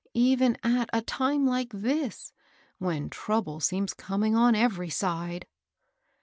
even at a time like this, when trouble seems coming on every side."